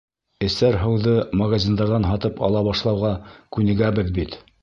Эсәр һыуҙы магазиндарҙан һатып ала башлауға күнегәбеҙ бит...